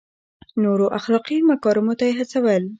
نورو اخلاقي مکارمو ته یې هڅول.